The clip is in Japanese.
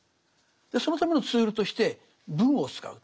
そのためのツールとして文を使う。